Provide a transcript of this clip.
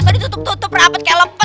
gitu tutup tutup rapet kayak lepet